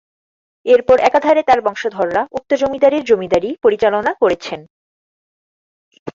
এরপর একাধারে তার বংশধররা উক্ত জমিদারীর জমিদারী পরিচালনা করেছেন।